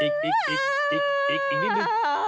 อีกนิดนึง